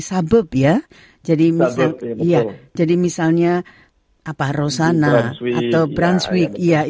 jadi misalnya rosana atau brunswick